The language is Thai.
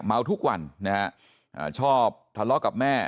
เมาทุกวันนะฮะชอบทะเลาะกับแม่